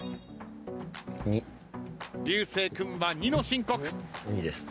流星君は２の申告。